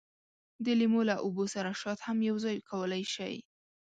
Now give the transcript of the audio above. د لیمو له اوبو سره شات هم یوځای کولای شئ.